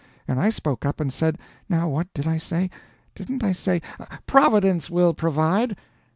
And I spoke up and said now what did I say? Didn't I say, 'Providence will provide'?"